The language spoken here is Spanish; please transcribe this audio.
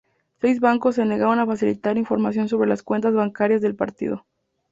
Seis bancos se negaron a facilitar información sobre las cuentas bancarias del partido.